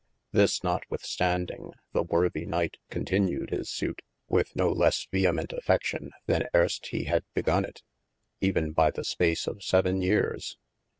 This notwithstanding, the worthy Knight continewed his sute with no lesse vehement affeftion than earst hee had begonne it, even by the space of seven yeares.